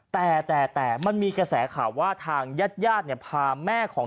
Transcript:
แต่แต่มันมีกระแสข่าวว่าทางญาติญาติเนี่ยพาแม่ของ